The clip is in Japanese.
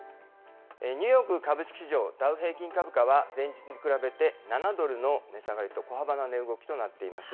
ニューヨーク株式市場、ダウ平均株価は、前日に比べて７ドルの値下がりと、小幅な値動きとなっています。